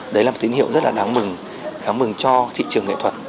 đấy là một tín hiệu rất là đáng mừng đáng mừng cho thị trường nghệ thuật